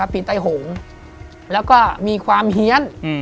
ปีใต้หงแล้วก็มีความเฮียน